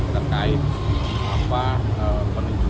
terkait apa penunjukan